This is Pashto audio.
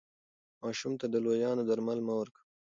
ماشوم ته د لویانو درمل مه ورکوئ.